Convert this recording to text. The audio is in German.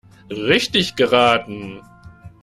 Richtig geraten!